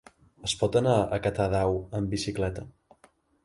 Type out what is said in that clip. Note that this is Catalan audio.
Es pot anar a Catadau amb bicicleta?